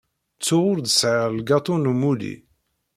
Ttuɣ ur d-sɣiɣ lgaṭu n umulli.